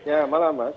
ya malam mas